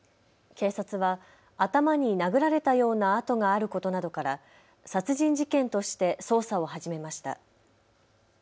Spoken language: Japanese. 警察は頭に殴られたような痕があることなどから殺人事件として捜査を始めました。